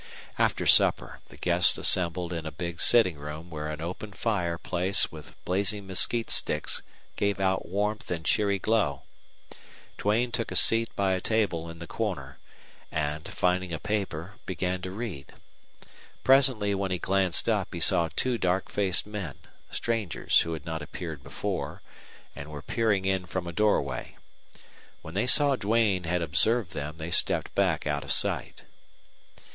After supper the guests assembled in a big sitting room where an open fire place with blazing mesquite sticks gave out warmth and cheery glow. Duane took a seat by a table in the corner, and, finding a paper, began to read. Presently when he glanced up he saw two dark faced men, strangers who had not appeared before, and were peering in from a doorway. When they saw Duane had observed them they stepped back out of sight.